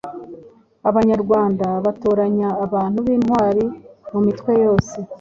Abanyarwanda batoranya abantu b’intwari mu mitwe yose